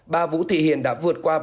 bà vũ thị hiền đã vượt qua ba tỷ đồng